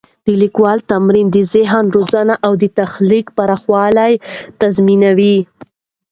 د لیکوالي تمرین د ذهن روزنه او د تخلیق پراخوالی تضمینوي.